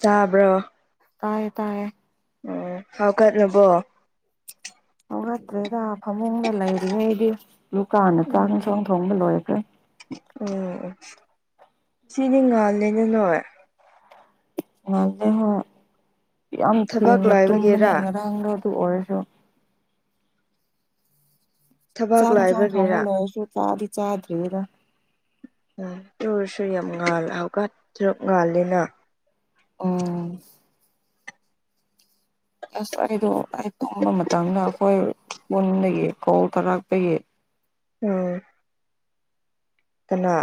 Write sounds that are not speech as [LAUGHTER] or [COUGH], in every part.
ꯆꯥꯕ꯭ꯔꯣ ꯇꯥꯔꯦ ꯇꯥꯔꯦ ꯎꯝ ꯍꯥꯎꯀꯠꯅꯕꯣ ꯒꯠꯇ꯭ꯔꯦꯗ ꯐꯃꯨꯡꯗ ꯂꯩꯔꯤꯉꯩꯗꯤ ꯗꯨꯀꯥꯟꯗ ꯆꯥ ꯆꯣꯡ ꯊꯣꯡꯕ ꯂꯣꯏꯔꯈ꯭ꯔꯦ ꯑꯣ ꯁꯤꯗꯤ ꯉꯥꯜꯂꯦꯅ ꯅꯣꯏ ꯑꯗꯨ ꯍꯣꯏ ꯌꯥꯝ ꯊꯕꯛ ꯊꯦꯡꯅ ꯇꯨꯝꯕꯅꯦ ꯂꯥꯏꯕꯒꯤꯔꯥ ꯉꯔꯥꯡꯗꯣ ꯑꯗꯨ ꯑꯣꯏꯔꯁꯨ ꯊꯕꯛ ꯆꯥꯛ ꯏꯟꯁꯥꯡ ꯊꯣꯡꯕ ꯂꯥꯏꯕꯒꯤꯔꯥ ꯂꯣꯏꯔꯁꯨ ꯆꯥꯗꯤ ꯆꯥꯗ꯭ꯔꯤꯗ ꯎꯝ ꯇꯨꯔꯁꯨ ꯌꯥꯝ ꯉꯥꯜꯂ ꯍꯧꯀ ꯊ ꯉꯥꯜꯂꯤꯦꯅ ꯑꯣ ꯑꯁ ꯑꯩꯗꯣ ꯑꯩ ꯇꯨꯝꯕ ꯃꯇꯝꯗ ꯑꯩꯈꯣꯏ ꯄꯨꯟꯗꯒꯤ ꯀꯣꯜ ꯇꯥꯔꯥꯛꯄꯒꯤ ꯎꯝ ꯀꯅꯥ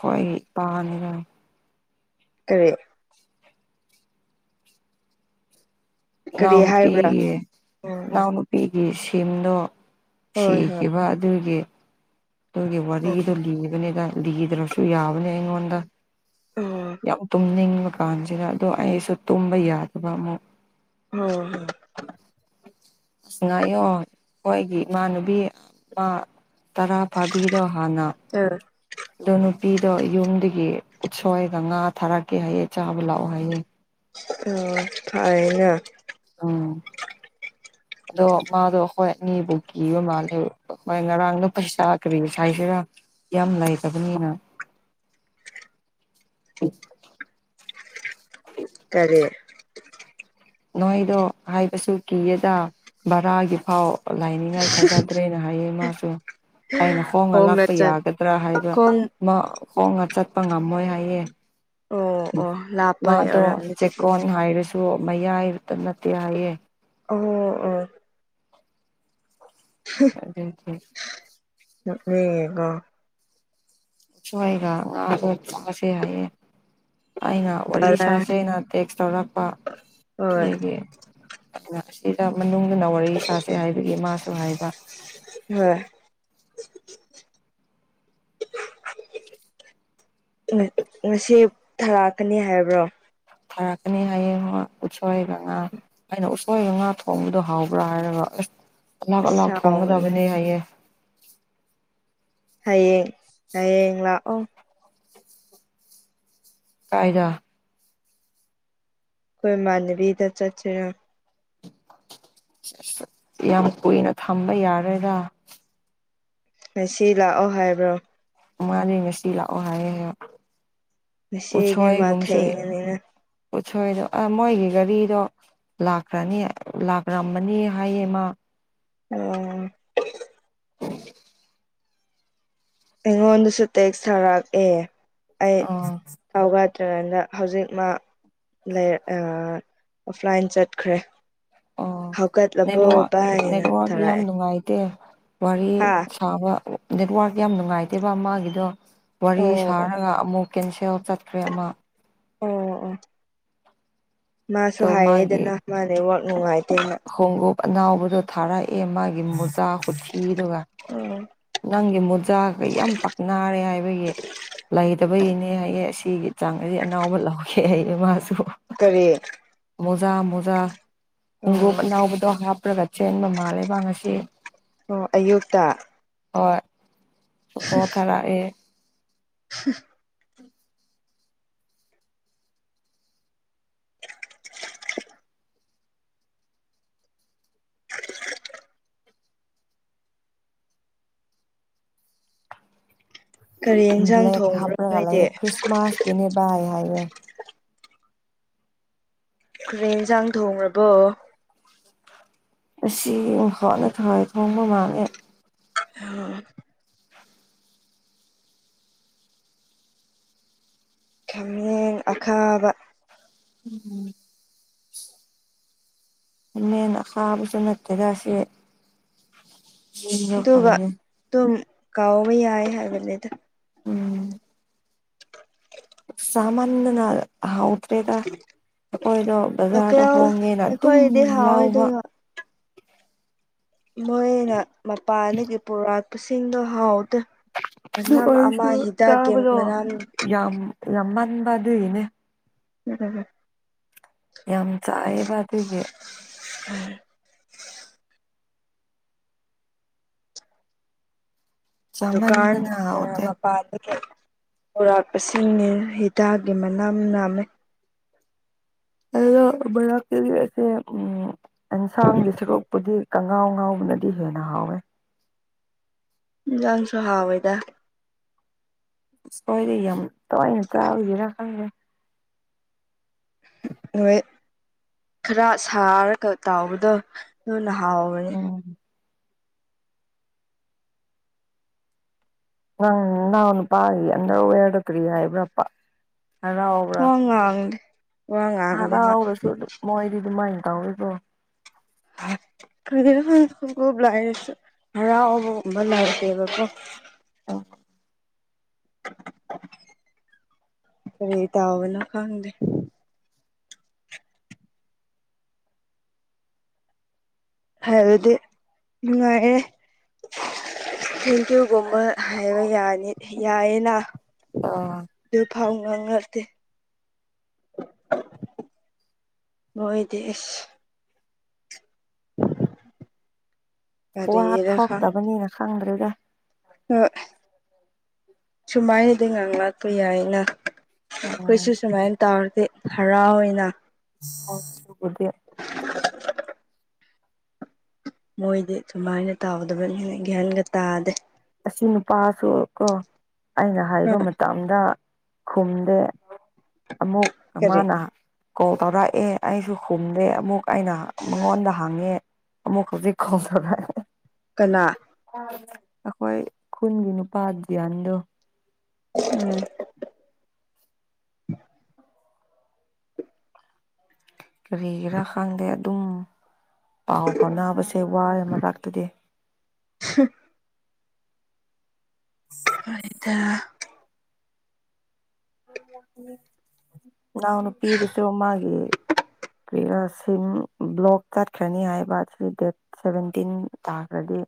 ꯍꯣꯏ ꯏ ꯄꯥꯅꯤꯅ ꯀꯔꯤ ꯀꯔꯤ ꯍꯥꯏꯕ꯭ꯔꯥ ꯏꯅꯥꯎꯅꯨꯄꯤꯒꯤ ꯎꯝ ꯎꯝ ꯏꯅꯥꯎ ꯅꯨꯄꯤꯒꯤ ꯁꯤꯝꯗꯣ ꯍꯣꯏ ꯍꯣꯏ ꯁꯤꯈꯤꯕ ꯑꯗꯨꯒꯤ ꯑꯗꯨꯒꯤ ꯎꯝ ꯋꯥꯔꯤꯗꯣ ꯂꯤꯕꯅꯤꯗ ꯂꯤꯗ꯭ꯔꯁꯨ ꯌꯥꯕꯅꯦ ꯑꯩꯉꯣꯟꯗ ꯎꯝ ꯌꯥꯝ ꯇꯨꯝꯅꯤꯡꯕ ꯀꯥꯟꯁꯤꯗ ꯑꯗꯣ ꯑꯩꯁꯨ ꯇꯨꯝꯕ ꯌꯥꯗꯕ ꯑꯃꯨꯛ ꯎꯝ ꯉꯥꯌꯣ ꯑꯩꯈꯣꯏꯒꯤ ꯏꯃꯥꯟꯅꯨꯕꯤ ꯇꯔꯥ ꯐꯥꯕꯤꯗꯣ ꯍꯥꯟꯅ ꯑꯥ ꯑꯗꯣ ꯅꯨꯄꯤꯗꯣ ꯌꯨꯝꯗꯒꯤ ꯎꯠꯁꯣꯏꯒ ꯉꯥ ꯊꯥꯔꯛꯀꯦ ꯍꯥꯏꯌꯦ ꯆꯥꯕ ꯂꯥꯛꯑꯣ ꯍꯥꯏꯌꯦ ꯑꯣ ꯐꯩꯅ ꯑꯥ [UNINTELLIGIBLE] ꯑꯗꯣ ꯃꯥꯗꯣ ꯑꯩꯈꯣꯏ ꯃꯤꯕꯨ ꯀꯤꯕ ꯃꯥꯜꯂꯦꯕ ꯍꯣꯏ ꯉꯔꯥꯡꯗꯣ ꯄꯩꯁꯥ ꯀꯔꯤ ꯍꯥꯏꯁꯤꯔꯥ ꯌꯥꯝ ꯂꯩꯥꯇꯕꯅꯤꯅ ꯀꯔꯤ ꯅꯍꯣꯏꯗꯣ ꯍꯥꯏꯕꯁꯨ ꯀꯤꯌꯦꯗ ꯕꯔꯥꯒꯤ ꯐꯥꯎ ꯂꯥꯏꯅꯤꯡꯉꯥꯏ ꯊꯥꯖꯗ꯭ꯔꯦꯅ ꯍꯥꯏꯌꯦ ꯃꯥꯁꯨ ꯑꯩꯅ ꯍꯣꯡꯉ ꯈꯣꯡꯅ ꯂꯥꯛꯄ ꯆꯠ ꯌꯥꯒꯗ꯭ꯔꯥ ꯍꯥꯏꯕ꯫ ꯈꯣꯡ ꯃꯥ ꯍꯣꯡꯅ ꯆꯠꯄ ꯉꯝꯃꯣꯏ ꯍꯥꯏꯌꯦ꯫ ꯑꯣ ꯑꯣ ꯎ ꯂꯥꯞꯄꯒꯤ ꯃꯥꯗꯣ ꯑꯣꯏꯔꯝꯅꯤ ꯑꯗꯨꯗꯤ ꯆꯦꯛꯀꯣꯟ ꯍꯥꯏꯔꯁꯨ ꯃꯌꯥꯏꯗ ꯅꯠꯇꯦ ꯍꯥꯏꯌꯦꯦ ꯑꯣ ꯑ [UNINTELLIGIBLE] [UNINTELLIGIBLE] ꯎꯁꯣꯏꯒ ꯉꯥꯒ ꯆꯥꯁꯦ ꯍꯥꯏꯌꯦ꯫ ꯑꯩꯅ ꯋꯥꯔꯤ ꯚꯔꯥ ꯁꯥꯥꯁꯦꯅ ꯇꯦꯛꯁ ꯇꯧꯔꯛꯄ ꯍꯣꯏ ꯑꯗꯒꯤ ꯑꯩꯅ ꯁꯤꯗ ꯃꯅꯨꯡꯗ ꯅ ꯋꯥꯔꯝ ꯁꯥꯁꯦ ꯍꯥꯏꯕꯒꯤ ꯃꯥꯁꯨ ꯍꯥꯏꯕ [UNINTELLIGIBLE] ꯉꯁꯤ ꯊꯥꯔꯛꯀꯅꯤ ꯍꯥꯏꯕ꯭ꯔꯣ ꯊꯥꯔꯛꯀꯅꯤ ꯍꯥꯏꯌꯦ ꯍꯣꯏ ꯎꯠꯁꯣꯏꯒ ꯉꯥꯒ ꯑꯩꯅ ꯎꯁꯣꯏꯒ ꯉꯥ ꯊꯣꯡꯕꯗꯣ ꯍꯥꯎꯕ꯭ꯔꯥ ꯍꯥꯏꯔꯒ ꯑꯁ ꯑꯂꯛ ꯑꯂꯛ ꯑꯁ ꯁꯥꯎꯕꯅꯦ ꯊꯣꯡꯒꯗꯕꯅꯦ ꯍꯥꯏꯌꯦꯦ ꯍꯌꯦꯡ ꯍꯌꯦꯡ ꯂꯥꯛꯑꯣ ꯀꯥꯏꯗ ꯍꯣꯏ ꯏꯃꯥꯟꯅꯕꯤ ꯗ ꯆꯠꯁꯦꯔꯥ [UNINTELLIGIBLE] ꯌꯥꯝ ꯀꯨꯏꯅ ꯊꯝꯕ ꯌꯥꯔꯣꯏꯗ ꯉꯁꯤ ꯂꯥꯛꯑꯣ ꯍꯥꯏꯕ꯭ꯔꯣ ꯃꯥꯅꯦ ꯉꯁꯤ ꯂꯥꯛꯑꯣ ꯍꯥꯏꯔꯦ [UNINTELLIGIBLE] ꯉꯁꯤꯗꯤ ꯃꯥ ꯊꯩꯉꯅꯤꯅ ꯎꯠꯁꯣꯏꯗꯣ ꯑ ꯃꯣꯏꯒꯤ ꯒꯥꯔꯤꯗꯣ ꯂꯥꯛꯈ꯭ꯔꯅꯤ ꯂꯥꯛꯔꯝꯕꯅꯤ ꯍꯥꯏꯌꯦ ꯃꯥ ꯑꯣ [INAUDIBLE] ꯑꯩꯉꯣꯟꯗꯁꯨ ꯇꯦꯛꯁ ꯊꯥꯔꯛꯑꯦ ꯑꯩ ꯑꯥ ꯇꯥꯎꯒꯗ꯭ꯔꯀꯥꯟꯗ ꯍꯧꯖꯤꯛ ꯃꯥ ꯂꯩ ꯑ ꯑꯣꯐꯂꯥꯏꯟ ꯆꯠꯈ꯭ꯔꯦ ꯑꯣ ꯍꯧꯒꯠꯂꯕꯣ ꯅꯦꯠꯋꯥꯛ ꯚꯥꯏꯅ ꯅꯦꯠꯋꯥꯛꯛ ꯌꯥꯝ ꯊꯥꯔꯛꯑꯦ ꯅꯨꯡꯉꯥꯏꯇꯦ ꯋꯥꯔꯤ ꯍꯥ ꯁꯥꯕ ꯅꯦꯠꯋꯥꯔꯛ ꯌꯥꯝ ꯅꯨꯡꯉꯥꯏꯇꯦꯕ ꯃꯥꯒꯤꯗꯣ ꯋꯥꯔꯤ ꯑꯣ ꯑꯣ ꯁꯥꯔꯒ ꯑꯃꯨꯛ ꯀꯦꯟꯁꯦꯜ ꯆꯠꯈ꯭ꯔꯦ ꯑꯃ ꯑꯣ ꯑꯣ ꯃꯥꯁꯨ ꯑꯗꯣ ꯍꯥꯏꯌꯦꯗꯅ ꯃꯥ ꯅꯦꯋꯥꯛ ꯅꯨꯡꯉꯥꯏꯇꯦꯅ ꯈꯣꯡꯎꯣꯞ ꯑꯅꯥꯎꯕꯗꯣ ꯊꯥꯔꯛꯑꯦ ꯃꯥꯒꯤ ꯃꯨꯆꯥ ꯍꯨꯊꯤꯗꯨꯒ [UNINTELLIGIBLE] ꯅꯪꯒꯤ ꯃꯨꯖꯥꯒ ꯌꯥꯝ ꯄꯛꯅꯔꯦ ꯍꯥꯏꯕꯒꯤ ꯂꯩꯇꯕꯒꯤꯅꯦ ꯍꯥꯏꯌꯦ ꯑꯁꯤꯒꯤ ꯆꯥꯡ ꯑꯁꯤꯗꯤ ꯑꯅꯎꯕ ꯂꯧꯒꯦ ꯍꯥꯏꯌꯦ ꯃꯥꯁꯨ ꯀꯔꯤ [UNINTELLIGIBLE] ꯃꯣꯖꯥ ꯃꯣꯖꯥ ꯈꯣꯡꯎꯞ ꯑꯣ ꯑꯅꯥꯎꯕꯗꯣ ꯍꯥꯞꯄ꯭ꯔꯒ ꯆꯦꯟꯕ ꯃꯥꯜꯂꯦꯕ ꯉꯁꯤ ꯑꯣ ꯑꯌꯨꯛꯇ [INAUDIBLE] ꯍꯣꯏ ꯑꯣꯇꯣ ꯊꯥꯔꯛꯑꯦ [INAUDIBLE] [INAUDIBLE] [UNINTELLIGIBLE] ꯀꯔꯤ ꯌꯦꯟꯁꯥꯡ ꯕ꯭ꯂꯦꯛ ꯊꯣꯡꯕ꯭ꯔꯣ ꯍꯥꯞꯄ꯭ꯔꯒ ꯂꯩꯌꯦ ꯅꯣꯏꯗꯤ ꯈ꯭ꯔꯤꯁꯃꯥꯁ ꯀꯤꯅꯦ ꯚꯥꯏ ꯍꯥꯏꯔ ꯀꯔꯦꯟ ꯌꯦꯟꯖꯥꯡ ꯊꯣꯡꯉꯕꯣ ꯑꯁꯤ ꯍꯣꯟꯅ ꯍꯋꯥꯏ ꯊꯣꯡꯕ ꯃꯥꯜꯂꯦ ꯑꯥ [UNINTELLIGIBLE] ꯈꯥꯃꯦꯡ ꯑꯈꯥꯕ ꯎꯝ ꯃꯦꯟ ꯑꯈꯥꯕꯁꯨ ꯅꯠꯇꯦꯗ ꯁꯤ ꯑꯗꯨꯒ ꯐꯪꯉꯦ ꯇꯨꯝ ꯀꯥꯎꯕ ꯌꯥꯏ ꯍꯥꯏꯕꯅꯦꯗꯣ ꯆꯃꯟꯗꯅ ꯍꯥꯎꯇ꯭ꯔꯦꯗ ꯑꯩꯈꯣꯏꯗꯣ ꯕꯖꯥꯔꯗ ꯂꯣꯀꯦꯜ ꯍꯣꯡꯉꯦꯅ ꯑꯗꯨꯝ ꯑꯩꯈꯣꯏꯗꯤ ꯍꯥꯎꯋꯦ ꯂꯧꯕ ꯑꯗꯨꯒ ꯃꯣꯏꯅ ꯃꯄꯥꯟꯗꯒꯤ ꯄꯨꯔꯥꯛꯄꯁꯤꯡꯗꯣ ꯍꯥꯎꯗ꯫ ꯑꯗꯨ ꯑꯣꯏꯔꯁꯨ ꯆꯥꯕꯗꯣ ꯃꯅꯝ ꯌꯥꯝ ꯌꯥꯝ ꯃꯟꯕ ꯑꯗꯨꯒꯤꯅꯦ [UNINTELLIGIBLE] ꯌꯥꯝ ꯆꯥꯏꯌꯦꯕ ꯑꯗꯨꯒꯤ ꯎꯝ ꯗꯨꯀꯥꯟ ꯆꯥꯃꯟꯗꯅ ꯍꯥꯎꯇꯦ [UNINTELLIGIBLE] ꯄꯥꯇ꯭ꯔꯀꯩ ꯄꯨꯔꯥꯛꯄꯁꯤꯡꯅꯤ ꯍꯤꯗꯥꯛꯒꯤ ꯃꯅꯥꯝ ꯅꯥꯝꯃꯦ ꯑꯗꯨ [UNINTELLIGIBLE] ꯎꯝ ꯑꯦꯟꯁꯥꯡꯒꯤ ꯁꯔꯨꯛꯄꯨꯗꯤ ꯀꯉꯥꯎ ꯉꯥꯎꯕꯅꯗꯤ ꯍꯦꯟꯅ ꯍꯥꯎꯋꯦ ꯌꯥꯥꯡꯁꯨ ꯍꯥꯎꯋꯦꯗ ꯁꯣꯏꯗ ꯌꯥꯝ ꯇꯋꯥꯏꯅ ꯆꯥꯕꯒꯤꯔ ꯈꯪꯗꯦ ꯍꯣꯏ ꯈꯔ ꯁꯥꯔꯒ ꯇꯥꯎꯕꯗꯣ ꯑꯗꯨꯅ ꯍꯥꯎꯕꯅꯤ ꯎꯝ ꯅꯪ ꯅꯥꯎꯅꯨꯄꯥꯒꯤ [UNINTELLIGIBLE] ꯀꯔꯤ ꯍꯥꯢꯕꯔꯥ ꯄꯥ ꯍꯔꯥꯎ ꯋꯥꯉꯥꯡ ꯍꯔꯥꯎꯔꯁꯨꯗꯨ ꯃꯣꯏꯗꯤ ꯗꯨꯃꯥꯏꯅ ꯇꯧꯋꯦꯀꯣ [UNINTELLIGIBLE] ꯑ ꯀꯔꯤ ꯇꯧꯕꯅꯣ ꯈꯪꯗꯦ ꯍꯥꯏꯕꯗꯤ ꯅꯨꯡꯉꯥꯏꯑꯦ ꯊꯦꯡꯀ꯭ꯌꯨꯒꯨꯝꯕ ꯍꯥꯏꯕ ꯌꯥꯅꯤ ꯌꯥꯌꯦꯅ ꯑ ꯗꯨ ꯐꯥꯎ ꯉꯥꯉꯛꯇꯦ꯫ ꯃꯣꯏꯗꯤ ꯏꯁ ꯋꯥ ꯀꯔꯤꯔ ꯊꯣꯛꯇꯕꯅꯤꯅ ꯈꯪꯗ꯭ꯔꯦꯗ ꯑꯣꯏ ꯁꯨꯃꯥꯏꯅꯗꯤ ꯉ ꯉꯥꯛꯄ ꯌꯥꯏꯅ ꯎꯝ ꯈꯣꯏꯁꯨ ꯁꯨꯃꯥꯏꯅ ꯇꯧꯔꯗꯤ ꯍꯔꯥꯎꯋꯤꯅꯥ [UNINTELLIGIBLE] ꯃꯣꯏꯗꯤ ꯗꯨꯃꯥꯏꯅ ꯇꯥꯎꯗꯕꯅꯤꯅ ꯒ꯭ꯌꯥꯟꯒ ꯇꯥꯗꯦ ꯑꯁꯤ ꯅꯨꯄꯥꯁꯨ ꯀꯣ ꯑꯩꯅ ꯍꯥꯏꯕ ꯃꯇꯝꯗ ꯈꯨꯝꯗꯦ ꯑꯃꯨꯛ ꯀꯔꯤ ꯑꯃꯅ ꯀꯣꯜ ꯇꯧꯔꯛꯑꯦ ꯑꯩꯁꯨ ꯈꯨꯝꯗꯦ ꯑꯃꯨꯛ ꯑꯩꯅ ꯃꯉꯣꯟꯗ ꯍꯪꯉꯦ ꯑꯃꯨꯛ ꯍꯧꯖꯤꯛ [UNINTELLIGIBLE] ꯀꯅꯥ꯫ ꯑꯩꯈꯣꯏ ꯈꯨꯟꯒꯤ ꯅꯨꯄꯥ ꯗ꯭ꯌꯥꯟꯗꯣ ꯎꯝ ꯀꯔꯤꯒꯤꯔꯥ ꯈꯪꯗꯦ ꯑꯗꯨꯝ ꯄꯥꯎ ꯐꯥꯎꯅꯕꯁꯦ ꯋꯥꯔꯦ ꯃꯔꯥꯛꯛꯇꯗꯤ [UNINTELLIGIBLE] [UNINTELLIGIBLE] ꯍꯣꯏꯗ꯫ ꯏꯅꯥꯎ ꯅꯨꯄꯤꯗꯨꯁꯨ ꯃꯥꯒꯤ꯫ ꯂꯁꯤꯡ ꯕ꯭ꯂꯣꯛ ꯀꯠꯈ꯭ꯔꯅꯤ ꯍꯥꯏꯕ ꯁꯤ ꯗꯦꯠ ꯁꯚꯦꯟꯇꯤꯟ ꯇꯥꯈ꯭ꯔꯗꯤ꯫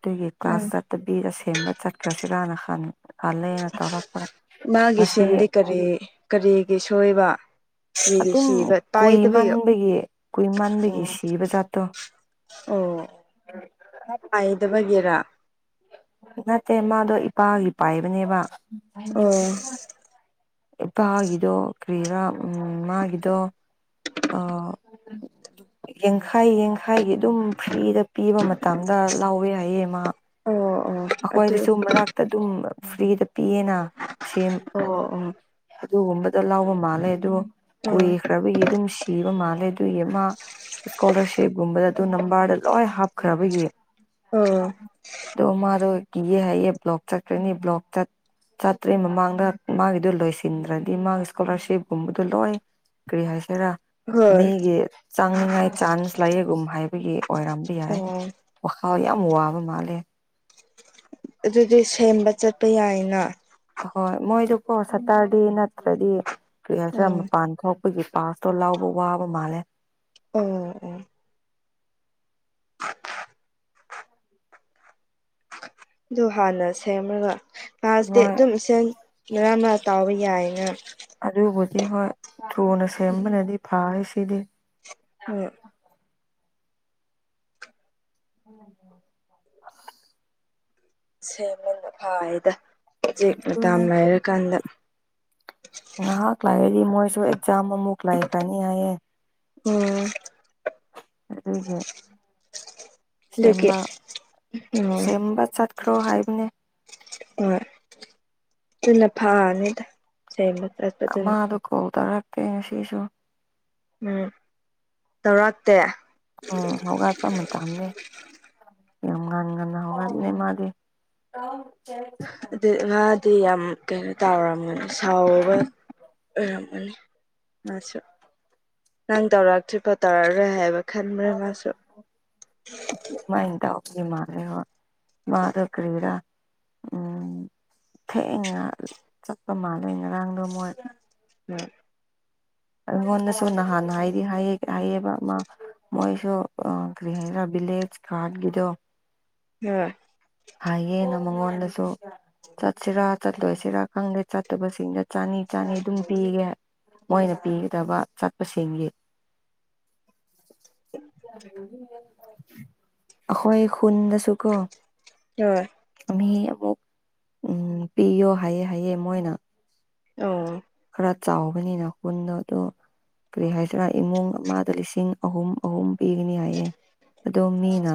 ꯑꯗꯨꯒꯤ ꯎꯝ ꯀ꯭ꯂꯥꯁ ꯆꯠꯇꯕꯤ ꯑꯁꯦꯡꯕꯜ ꯆꯠꯈ꯭ꯔꯁꯤꯔꯥꯅ ꯈꯜꯂꯦꯅ ꯇꯧꯔꯛ ꯃꯥꯒꯤ ꯁꯤꯟꯗꯤ ꯀꯔꯤ ꯀꯔꯤꯒꯤ ꯁꯣꯏꯕ꯫ ꯁꯤꯗꯤ ꯑꯗꯨꯝ ꯁꯤꯕ ꯀꯨꯏ ꯄꯥꯏꯇꯕꯒꯤ ꯑꯣ꯫ ꯃꯟꯕꯒꯤ ꯀꯨꯏ ꯃꯟꯕꯒꯤ ꯁꯤꯕ ꯖꯥꯠꯇꯣ ꯑꯣ ꯄꯥꯏꯗꯕꯒꯤꯔ꯫ ꯅꯠꯇꯦ ꯃꯥꯗꯣ ꯏꯄꯥꯒꯤ ꯄꯥꯏꯕꯅꯦꯕ꯫ ꯑꯣ꯫ ꯏꯄꯥꯒꯤꯗꯣ ꯀꯔꯤꯔꯥ ꯎꯝ ꯃꯥꯒꯤꯗꯣ ꯑ ꯌꯥꯡꯈꯥꯏ ꯌꯥꯡꯈꯥꯏꯒꯤ ꯑꯗꯨꯝ ꯐ꯭ꯔꯤꯗ ꯄꯤꯕ ꯃꯇꯝꯗ ꯂꯥꯎꯋꯦ ꯍꯥꯏꯌꯦ ꯃꯥ꯫ ꯑꯣ ꯑꯣ ꯑꯩꯈꯣꯏꯗꯤ ꯑꯗꯨ ꯁꯨꯝꯕ ꯉꯥꯛꯇ ꯑꯗꯨꯝ ꯐ꯭ꯔꯤꯗ ꯄꯤꯌꯦꯅ ꯁꯦꯝ ꯑꯣ ꯑꯣ꯫ ꯑꯗꯨꯒꯨꯝꯕꯗ ꯂꯥꯎꯕ ꯃꯥꯜꯂꯦ ꯑꯗꯨ ꯑꯣ ꯀꯨꯏꯈ꯭ꯔꯕꯒꯤ ꯑꯗꯨꯝ ꯁꯤꯕ ꯃꯥꯜꯂꯦ꯫ ꯑꯗꯨꯒꯤ ꯃꯥ ꯏꯁꯀꯣꯂꯔꯁꯤꯞꯒꯨꯝꯕꯗ ꯑꯗꯨ ꯅꯝꯕꯔꯗ ꯂꯣꯏ ꯍꯥꯞꯈ꯭ꯔꯕꯒꯤ꯫ ꯑꯣ ꯑꯗꯣ ꯃꯥꯗꯣ ꯀꯤꯌꯦ ꯍꯥꯏꯌꯦ ꯕ꯭ꯂꯣꯛ ꯆꯠꯀꯅꯤ ꯕ꯭ꯂꯣꯛ ꯆꯠ ꯆꯥꯇ꯭ꯔꯦ ꯃꯃꯥꯡꯗ ꯃꯥꯒꯤꯗꯨ ꯂꯣꯏꯁꯤ ꯊꯤꯟꯗ꯭ꯔꯗꯤ ꯃꯥꯒꯤ ꯏꯁꯀꯣꯂꯥꯔꯁꯤꯞ ꯀꯨꯝꯕꯗꯣ ꯂꯣꯏ ꯀꯔꯤ ꯍꯥꯏꯁꯤꯔꯥ ꯍꯣꯏ ꯃꯤꯒꯤ ꯆꯥꯡꯅꯤꯉꯥꯏ ꯆꯥꯟꯁ ꯂꯩꯌꯦꯒꯨꯝ ꯍꯥꯏꯕꯒꯤ ꯑꯣꯏꯔꯝꯕ ꯌꯥꯏ꯫ ꯑꯣ ꯋꯥꯈꯜ ꯌꯥꯝ ꯋꯥꯕ ꯃꯥꯜꯂꯦ꯫ ꯑꯗꯨꯗꯤ ꯁꯦꯝꯕ ꯆꯠꯄ ꯌꯥꯏꯌꯦꯅ꯫ ꯍꯣꯏ ꯃꯣꯏꯗꯨꯀꯣ ꯁꯇꯔꯗꯦ ꯅꯠꯇ꯭ꯔꯗꯤ ꯀꯔꯤ ꯍꯥꯏꯁꯤꯔ ꯎꯝ ꯃꯄꯥꯟ ꯊꯣꯛ ꯑꯩꯈꯣꯏꯒꯤ ꯄꯥꯁꯇꯣ ꯂꯥꯎꯕ ꯋꯥꯕ ꯃꯥꯜꯂꯦ꯫ ꯑꯣ ꯑꯣ꯫ ꯑꯗꯨ ꯍꯥꯟꯅ ꯁꯦꯝꯔꯒ꯫ ꯇꯥꯏꯂꯁꯇꯤ ꯍꯣꯏ ꯑꯗꯨꯝ ꯏꯁꯦꯟ ꯃꯔꯥꯛꯃ ꯇꯧꯕ ꯌꯥꯏꯅ ꯑꯗꯨꯕꯨꯗꯤ ꯍꯣꯏ ꯊꯨꯅ ꯁꯦꯝꯕꯅꯗꯤ ꯐꯔ ꯁꯤꯗꯤ꯫ ꯎꯝ꯫ [INAUDIBLE] ꯁꯦꯝꯕꯅ ꯐꯔꯦꯗ ꯍꯧꯖꯤꯛ ꯃꯇꯝ ꯑꯗꯨꯅꯦ ꯂꯩꯔꯀꯥꯟꯗ꯫ ꯉꯥꯏꯍꯥꯛ ꯂꯩꯔꯗꯤ ꯃꯣꯏꯁꯨ ꯑꯦꯛꯖꯥꯝ ꯑꯃꯨꯛ ꯂꯩꯈ꯭ꯔꯅꯤ ꯍꯥꯏꯌꯦ꯫ ꯑꯣ꯫ ꯑꯗꯨꯒꯤ ꯑꯗꯨꯒꯤ ꯁꯦꯝꯕ ꯎꯝ ꯁꯦꯝꯕ ꯆꯠ ꯈ꯭ꯔꯣ ꯍꯥꯏꯕꯅꯦ꯫ ꯍꯣꯏ ꯑꯗꯨꯅ ꯐꯥꯅꯤꯗ꯫ [UNINTELLIGIBLE] ꯑꯃꯗꯨ ꯀꯧꯊꯔꯛꯀꯦ ꯉꯁꯤꯁꯨ꯫ ꯎꯝ ꯇꯧꯔꯛꯇꯦ꯫ ꯎꯝ ꯍꯧꯒꯠꯄ ꯃꯇꯝꯅꯦ ꯌꯥꯝ ꯉꯥꯟ ꯉꯟꯅ ꯍꯧꯒꯠꯅꯦ ꯃꯥꯗꯤ꯫ ꯀꯥꯎꯇꯦ꯫ ꯑꯗꯨ ꯃꯥꯗꯤ ꯌꯥꯝ ꯀꯩꯅꯣ ꯇꯧꯔꯝꯒꯅꯤ꯫ ꯁꯥꯎꯕ ꯑꯣꯏꯔꯝꯒꯅꯤ ꯃꯥꯁꯨ꯫ ꯅꯪ ꯇꯧꯔꯛꯇ꯭ꯔꯤ ꯐꯥꯎ ꯇꯧꯔꯛꯑꯔꯣꯏ ꯍꯥꯏꯕ ꯈꯟꯕ꯭ꯔꯅꯦ ꯃꯥꯁꯨ꯫ ꯑꯗꯨꯃꯥꯏꯅ ꯇꯧꯕꯗꯤ ꯃꯥꯜꯂꯦꯀꯣ ꯃꯥ ꯑꯗꯨ ꯀꯔꯤꯔ꯫ ꯎꯝ ꯊꯦꯡꯅ ꯆꯠꯄ ꯃꯥꯜꯂꯦ ꯉꯔꯥꯡꯗꯣ ꯃꯣꯏ꯫ [UNINTELLIGIBLE] ꯑꯩꯉꯣꯟꯗꯁꯨ ꯅꯍꯥꯟ ꯍꯥꯏꯗꯤ ꯍꯥꯏ ꯍꯥꯏꯌꯦꯕ ꯑꯃ꯫ ꯃꯣꯏꯁꯨ ꯑ ꯀ꯭ꯔꯤꯍꯥꯏꯒꯦꯔ ꯕꯤꯂꯦꯖ ꯀꯥꯟꯒꯤꯗꯣ꯫ [UNINTELLIGIBLE] ꯍꯥꯏꯌꯦꯅ ꯃꯉꯣꯟꯗꯁꯨ꯫ ꯆꯠꯁꯤꯔꯥ ꯆꯠꯂꯣꯏꯁꯤꯔꯥ ꯈꯪꯗꯦ ꯆꯠꯇꯕꯁꯤꯡꯗ ꯆꯅꯤ ꯆꯥꯅꯤ ꯑꯗꯨꯝ ꯄꯤꯒꯦ ꯃꯣꯏꯅ ꯄꯤꯒꯗꯕ ꯆꯠꯄꯁꯤꯡꯒꯤ ꯈꯣꯏ ꯈꯨꯨꯟꯗꯁꯨ ꯀꯣ ꯍꯣꯢ ꯃꯤ ꯑꯃꯨꯛ ꯎꯝ ꯄꯤꯌꯣ ꯍꯥꯏꯌꯦ ꯍꯥꯏꯑꯦ ꯃꯣꯏꯅ꯫ ꯑꯣ ꯈꯔ ꯆꯥꯎꯕꯅꯤꯅ ꯈꯨꯟꯗꯣ ꯑꯗꯣ ꯀꯔꯤ ꯍꯥꯏꯁꯤꯔꯥ ꯏꯃꯨꯡ ꯑꯃꯗ ꯂꯤꯁꯤꯡ ꯑꯍꯨꯝ ꯑꯍꯨꯝ ꯄꯤꯒꯅꯤ ꯍꯥꯏꯌꯦ ꯑꯗꯣ ꯃꯤꯅ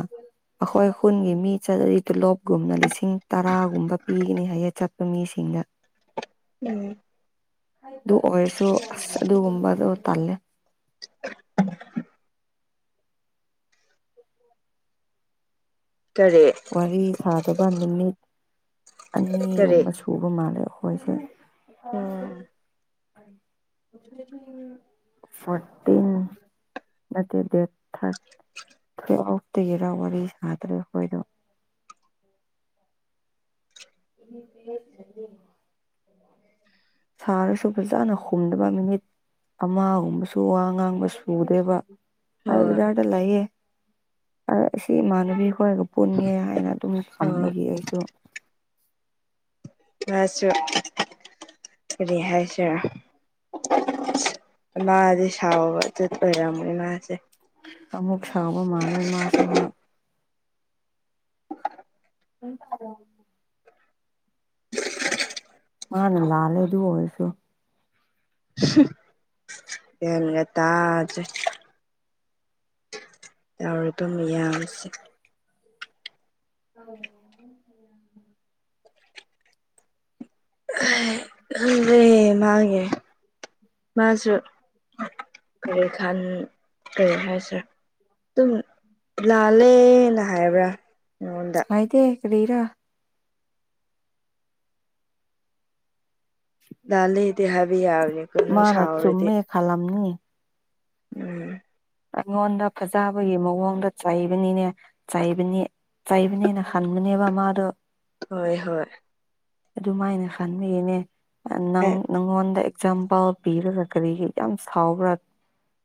ꯑꯩꯈꯣꯏ ꯈꯨꯟꯒꯤ ꯃꯤ ꯆꯠꯂꯗꯤ ꯇꯣꯂꯣꯞꯒꯨꯝꯅ ꯂꯤꯁꯤꯡ ꯇꯔꯥꯒꯨꯝꯕ ꯄꯤꯒꯅꯤ ꯍꯥꯏꯌꯦ ꯆꯠꯄ ꯃꯤꯁꯤꯡꯅ ꯎꯝ ꯑꯗꯨ ꯑꯣꯏꯔꯁꯨ ꯑꯁ ꯑꯗꯨꯒꯨꯝꯕꯗꯣ ꯇꯜꯂꯦ [UNINTELLIGIBLE] ꯀꯔꯤ ꯋꯥꯔꯤ ꯁꯥꯗꯕ ꯅꯨꯃꯤꯠ ꯀꯔꯤ ꯑꯅꯤꯒꯨꯝꯕ ꯁꯨꯕ ꯃꯥꯜꯂꯦ ꯑꯩꯈꯣꯏꯁꯦ ꯎꯝ ꯐꯇꯦ [INAUDIBLE] ꯅꯠꯇꯦ ꯗꯦꯠ ꯊꯥꯔꯠ ꯇꯨꯌꯦꯕꯗꯒꯤꯔ ꯋꯥꯔꯤ ꯁꯥꯗ꯭ꯔꯦ ꯑꯩꯈꯣꯏꯗꯣ [UNINTELLIGIBLE] ꯁꯥꯔꯁꯨ ꯐꯖꯅ ꯍꯨꯝꯗꯕ ꯅꯨꯃꯤꯠ ꯑꯃꯒꯨꯝꯕꯁꯨ ꯋꯥ ꯉꯥꯡꯕ ꯁꯨꯗꯦꯕ ꯑꯩ ꯍꯣꯏ ꯕꯖꯥꯔꯗ ꯂꯩꯌꯦ ꯁꯤ ꯏꯃꯥꯟꯅꯕꯤ ꯈꯣꯏꯒ ꯄꯨꯟꯒꯦ ꯍꯥꯏꯅ ꯑꯗꯨ ꯑꯣ ꯀꯝꯕꯒꯤ ꯍꯥꯏꯁꯨ꯫ ꯀꯔꯤ ꯀꯔꯤ ꯍꯥꯢꯁꯤꯔ ꯃꯥꯗꯤ ꯁꯕꯕ ꯆ ꯑꯣꯏꯔꯃꯅꯤ ꯃꯥꯁꯦ꯫ [INAUDIBLE] ꯑꯃꯨꯛ ꯁꯥꯎꯕ ꯃꯥꯥꯟꯅ ꯃꯥꯁꯨ ꯍꯣꯏ ꯎꯔꯣ [INAUDIBLE] ꯃꯥꯅꯦ ꯂꯥꯜꯂꯦ ꯑꯗꯨ ꯑꯣꯏꯔꯁꯨ ꯒꯌꯥꯟꯜ ꯇꯥꯗꯔꯦꯗ ꯌꯥꯎꯔ ꯑꯗꯨ ꯃꯌꯥꯝꯁꯦ꯫ ꯑ [UNINTELLIGIBLE] ꯈꯪꯗꯔꯦ ꯃꯥꯒꯤ꯫ ꯃꯥꯁꯨ ꯀꯔꯤ ꯈꯥꯟ ꯀꯔꯤ ꯍꯥꯏꯁꯔ ꯑꯗꯨꯝ ꯂꯥꯜꯂꯦꯅ ꯍꯥꯏꯕ꯭ꯔꯥ ꯑꯩꯉꯣꯟꯗ ꯍꯥꯏꯗꯦ ꯀꯔꯤꯔꯥ ꯂꯥꯜꯂꯤꯗꯤ ꯍꯥꯏꯕ ꯌꯥꯕꯅꯤꯀꯣ ꯅꯪ ꯁꯥꯎꯔꯗꯤ ꯈꯥꯜꯂꯝꯅꯤ ꯎꯝ ꯑꯩꯉꯣꯟꯗ ꯐꯖꯕꯒꯤ ꯃꯑꯣꯡꯗ ꯆꯩꯕꯅꯤꯅꯦ ꯆꯩꯕꯅꯤ ꯆꯩꯥꯕꯅꯦꯅ ꯍꯟꯕꯅꯦꯕ ꯃꯥꯗꯣ꯫ ꯍꯣꯏ ꯍꯣꯏ ꯑꯗꯨꯃꯥꯏꯅ ꯈꯟꯕꯒꯤꯅꯦ ꯅꯪ ꯑꯦ ꯅꯪꯉꯣꯟꯗ ꯑꯦꯛꯖꯥꯝꯄꯥꯜ ꯄꯤꯔꯒ ꯀꯔꯤꯒꯤ ꯌꯥꯝ ꯁꯥꯎꯕ꯭ꯔꯥ